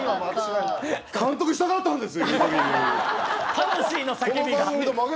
魂の叫びが。